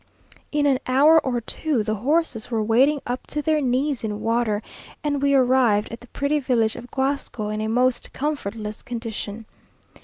In an hour or two the horses were wading up to their knees in water, and we arrived at the pretty village of Guasco in a most comfortless condition.